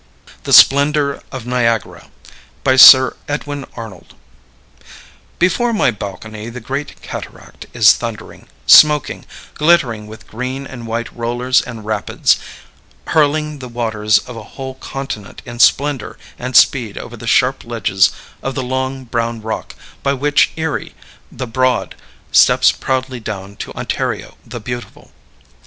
THE SPLENDOR OF NIAGARA. BY SIR EDWIN ARNOLD. Before my balcony the great cataract is thundering, smoking, glittering with green and white rollers and rapids, hurling the waters of a whole continent in splendor and speed over the sharp ledges of the long, brown rock by which Erie, "the Broad," steps proudly down to Ontario, "the Beautiful."